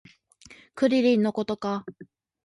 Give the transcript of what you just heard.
クリリンのことか